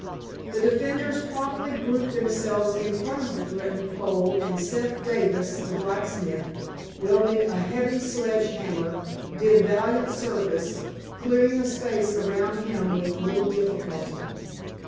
The defenders promptly grouped themselves in front of the threatened pole and Seth Davis, the blacksmith, wielding a heavy sledge hammer, did valiant service, clearing a space around him with little difficulty.